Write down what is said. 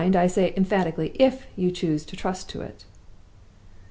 I say emphatically, if you choose to trust to it."